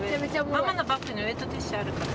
ママのバッグにウエットティッシュあるから。